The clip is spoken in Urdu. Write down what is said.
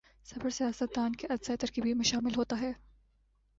صبر سیاست دان کے اجزائے ترکیبی میں شامل ہوتا ہے۔